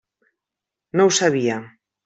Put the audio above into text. No ho sabia.